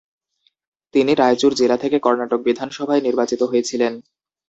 তিনি রায়চুর জেলা থেকে কর্ণাটক বিধানসভায় নির্বাচিত হয়েছিলেন।